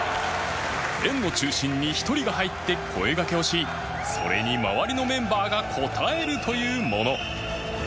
円の中心に１人が入って声がけをしそれに周りのメンバーが応えるというもの